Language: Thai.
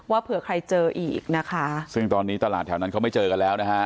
เผื่อใครเจออีกนะคะซึ่งตอนนี้ตลาดแถวนั้นเขาไม่เจอกันแล้วนะฮะ